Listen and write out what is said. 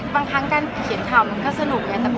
บางครั้งการเขียนข่าวมันก็สนุกไง